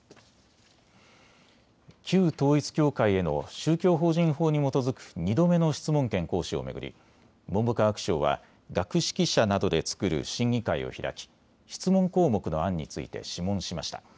旧統一教会への宗教法人法に基づく２度目の質問権行使を巡り文部科学省は学識者などで作る審議会を開き質問項目の案について諮問しました。